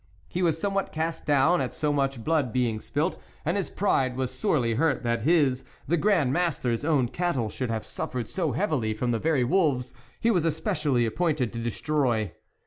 He was somewhat cast down at so much blood being spilt, and his pride was sorely hurt that his, the Grand Master's, own cattle should have suffered so heavily from the very wolves he was especially appointed to destroy.